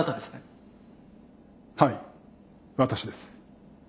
はい私です。